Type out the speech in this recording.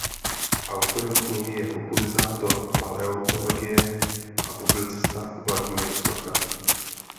Autorem knihy je popularizátor paleontologie a publicista Vladimír Socha.